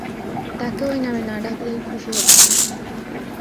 তাকে ওই নামে না ডাকলেই খুশি হতাম।